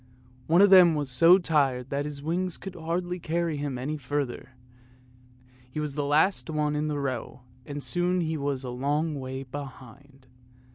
One of them was so tired that his wings could hardly carry him any further; he was the last one in the row, and soon he was a long way behind.